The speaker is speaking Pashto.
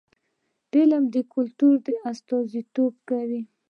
فلم د کلتور استازیتوب کوي